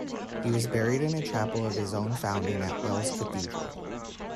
He was buried in a chapel of his own founding at Wells Cathedral.